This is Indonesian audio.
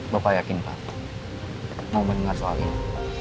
bapak yakin pak mau dengar soalnya